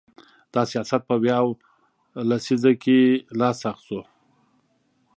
دا سیاست په ویاو لسیزه کې لا سخت شو.